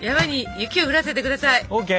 ＯＫ！